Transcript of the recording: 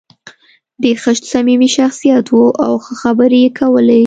دی ښه صمیمي شخصیت و او ښه خبرې یې کولې.